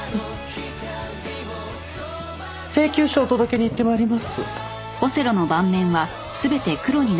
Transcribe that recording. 請求書お届けに行って参ります。